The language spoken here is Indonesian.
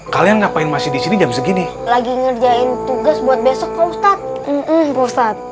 kalian ngapain masih di sini jam segini lagi ngerjain tugas buat besok ke ustadz